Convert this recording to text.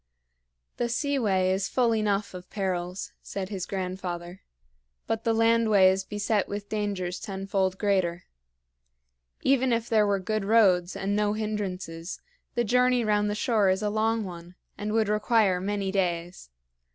"The seaway is full enough of perils," said his grandfather, "but the landway is beset with dangers tenfold greater. Even if there were good roads and no hindrances, the journey round the shore is a long one and would require many days.